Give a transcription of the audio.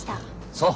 そう。